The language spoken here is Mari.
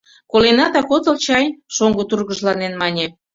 Коленатак отыл чай? — шоҥго тургыжланен мане.